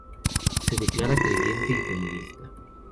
Se declara creyente y feminista.